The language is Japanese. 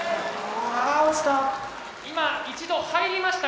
あ落ちた。